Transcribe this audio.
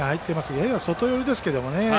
やや外寄りですけどね。